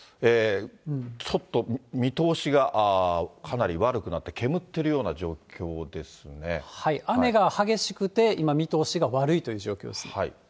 ちょっと見通しがかなり悪くなって、雨が激しくて、今、見通しが悪いという状況ですね。